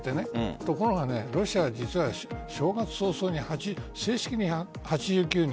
ところがロシアは実は正月早々に正式に８９人。